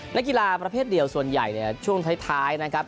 นักกีฬาประเภทเดียวส่วนใหญ่เนี่ยช่วงท้ายนะครับ